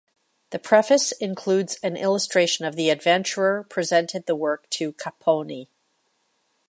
The preface includes an illustration of the adventurer presented the work to Capponi.